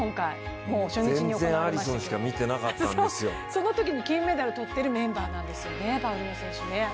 そのときに金メダルとってるメンバーですね、パウリノ選手。